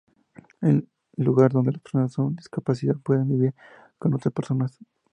Un lugar donde las personas con discapacidad pueden vivir con otras personas.